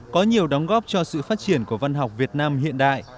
có nhiều đóng góp cho sự phát triển của văn học việt nam hiện đại